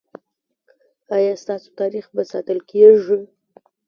ایا ستاسو تاریخ به ساتل کیږي؟